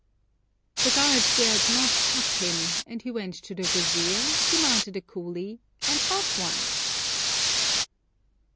The guard dared not touch him, and he went to the wazir, demanded a coolie, and got one!